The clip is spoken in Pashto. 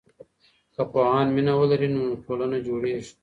که پوهان مينه ولري، نو ټولنه جوړېږي.